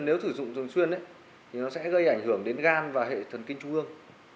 nếu sử dụng thường xuyên thì nó sẽ gây ảnh hưởng đến gan và hệ thần kinh trung ương